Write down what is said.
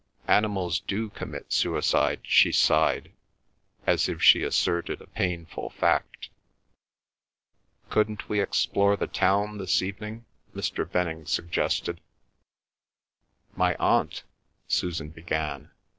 "Animals do commit suicide," she sighed, as if she asserted a painful fact. "Couldn't we explore the town this evening?" Mr. Venning suggested. "My aunt—" Susan began.